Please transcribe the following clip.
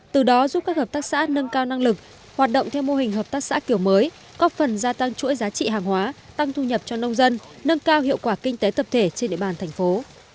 từ đó giúp các hợp tác xã nâng cao năng lực hoạt động theo mô hình hợp tác xã kiểu mới có phần gia tăng chuỗi giá trị hàng hóa tăng thu nhập cho nông dân nâng cao hiệu quả kinh tế tập thể trên địa bàn thành phố